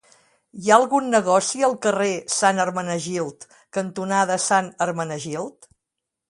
Hi ha algun negoci al carrer Sant Hermenegild cantonada Sant Hermenegild?